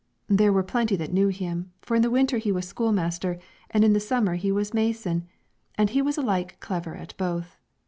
There were plenty that knew him, for in the winter he was schoolmaster, and in the summer he was mason, and he was alike clever at both.